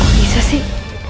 kok bisa sih